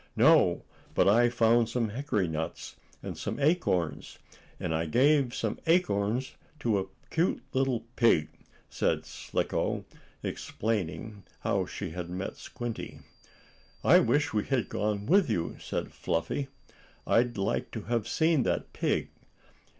"No, but I found some hickory nuts, and some acorns, and I gave some acorns to a cute little pig," said Slicko, explaining how she had met Squinty. "I wish we had gone with you," said Fluffy. "I'd like to have seen that pig.